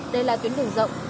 đây là tuyến đường rộng